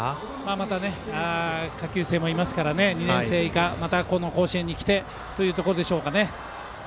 また下級生もいますから２年生以下またこの甲子園に来てというところでしょうかね。